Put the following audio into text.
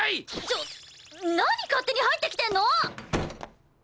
ちょっ何勝手に入ってきてんの！？